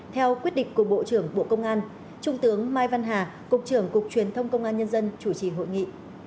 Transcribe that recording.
theo quyết định của bộ trưởng bộ công an trung tướng mai văn hà cục trưởng cục truyền thông công an nhân dân chủ trì hội nghị